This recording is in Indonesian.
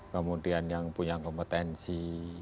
kemudian yang punya kompetensi